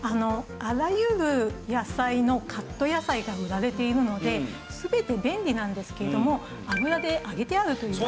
あらゆる野菜のカット野菜が売られているので全て便利なんですけども油で揚げてあるという。